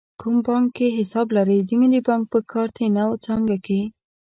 کوم بانک کې حساب لرئ؟ د ملی بانک په کارته نو څانګه کښی